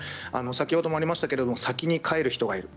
先ほどもありましたけれども先に帰る人がいる。